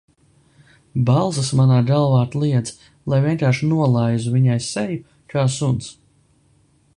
Balsis manā galvā kliedz, lai vienkārši nolaizu viņai seju kā suns.